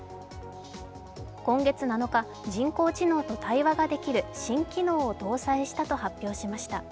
今月７日、人工知能と対話ができる新機能を搭載したと発表しました。